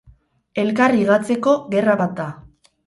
Elkar higatzeko gerra bat da.